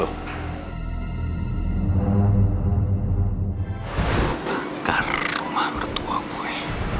bakar rumah mertua gue